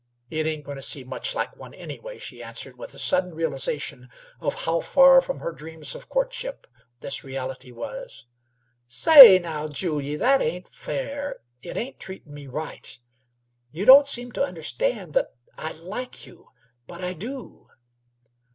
"It ain't goin' to seem much like one, anyway," she answered, with a sudden realization of how far from her dreams of courtship this reality was. "Say, now, Julyie, that ain't fair; it ain't treatin' me right. You don't seem to understand that I like you, but I do."